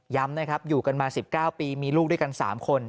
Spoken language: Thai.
นะครับอยู่กันมา๑๙ปีมีลูกด้วยกัน๓คน